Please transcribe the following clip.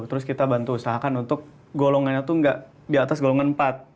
terus kita bantu usahakan untuk golongannya tuh nggak di atas golongan empat